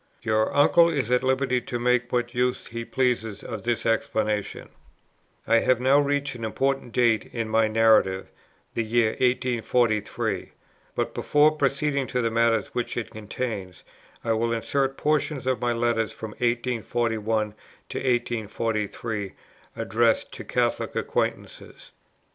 "Your uncle is at liberty to make what use he pleases of this explanation." I have now reached an important date in my narrative, the year 1843; but before proceeding to the matters which it contains, I will insert portions of my letters from 1841 to 1843, addressed to Catholic acquaintances.